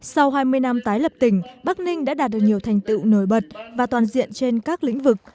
sau hai mươi năm tái lập tỉnh bắc ninh đã đạt được nhiều thành tựu nổi bật và toàn diện trên các lĩnh vực